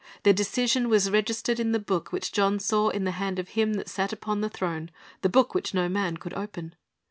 Their decision was registered in the book which John saw in the hand of Him that sat upon the throne, the book which no man could open.